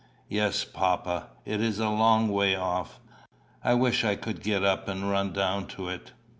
"Yes, papa; it is a long way off. I wish I could get up and run down to it."